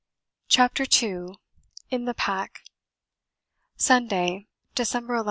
CHAPTER II In the Pack Sunday, December ll.